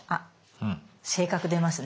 性格出ますね。